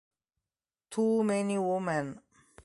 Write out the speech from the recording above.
Too Many Women